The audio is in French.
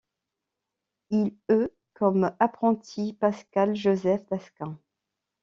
Il eut comme apprenti Pascal-Joseph Taskin.